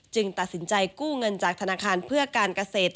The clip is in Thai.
ตัดสินใจกู้เงินจากธนาคารเพื่อการเกษตร